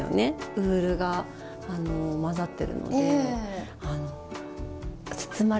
ウールが混ざってるので包まれてる